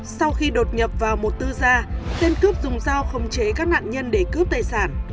sau khi đột nhập vào một tư gia tiên cướp dùng dao không chế các nạn nhân để cướp tài sản